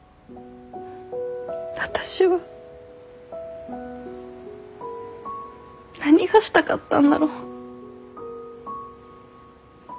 私は何がしたかったんだろう。